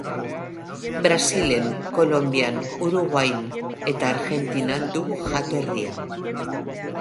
Brasilen, Kolonbian, Uruguain eta Argentinan du jatorria.